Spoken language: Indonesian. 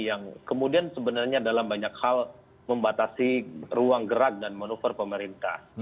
yang kemudian sebenarnya dalam banyak hal membatasi ruang gerak dan manuver pemerintah